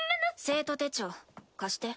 生徒手帳貸して。